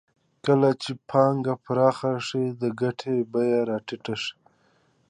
کله چې پانګه پراخه شي د ګټې بیه راټیټېږي